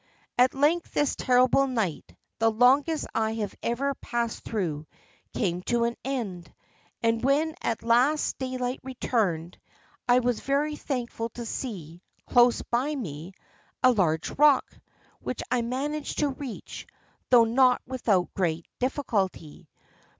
At length this terrible night, the longest I have ever passed through, came to an end, and when at last daylight returned, I was very thankful to see, close by me, a large rock, which I managed to reach, though not without great difficulty.